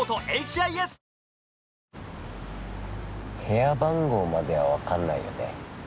部屋番号まではわかんないよね？